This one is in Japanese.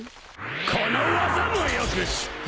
この技もよく知ってるはずだ。